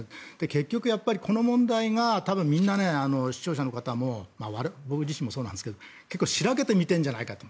結局、この問題がみんな、視聴者の方も僕自身もそうなんですけど結構白けて見てるんじゃないかと。